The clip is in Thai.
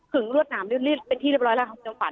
ถึงรวดหนามเร็วเป็นที่เรียบร้อยแล้วครับคุณจงฝัน